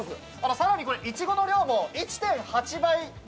さらにいちごの量も１．８倍に。